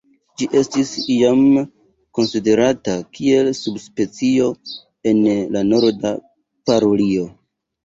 Ĝi estis iam konsiderata kiel subspecio ene de la Norda parulio.